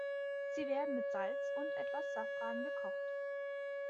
Sie werden mit Salz und etwas Safran gekocht.